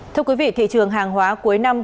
thưa quý vị thị trường hàng hóa cuối năm